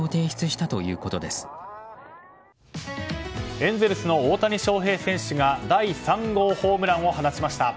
エンゼルスの大谷翔平選手が第３号ホームランを放ちました。